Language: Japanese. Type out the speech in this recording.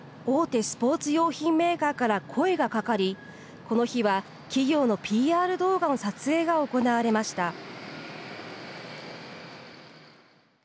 大手スポーツ用品メーカーから声がかかりこの日は企業のＰＲ動画の撮影が行われました。